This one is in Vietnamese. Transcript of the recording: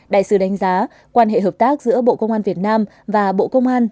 đại sứ đánh giá quan hệ hợp tác giữa bộ công an việt nam và bộ công an